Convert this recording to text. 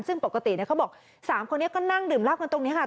ซึ่งปกติเขาบอก๓คนนี้ก็นั่งดื่มเหล้ากันตรงนี้ค่ะ